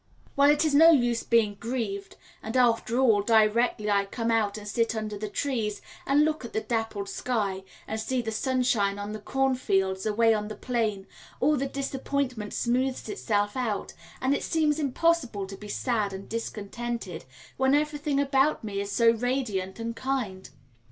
Well, it is no use being grieved, and after all, directly I come out and sit under the trees, and look at the dappled sky, and see the sunshine on the cornfields away on the plain, all the disappointment smooths itself out, and it seems impossible to be sad and discontented when everything about me is so radiant and kind.